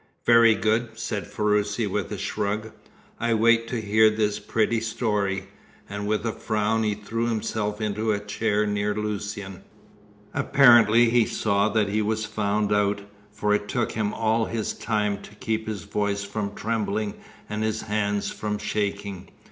"Very good," said Ferruci, with a shrug. "I wait to hear this pretty story," and with a frown he threw himself into a chair near Lucian. Apparently he saw that he was found out, for it took him all his time to keep his voice from trembling and his hands from shaking.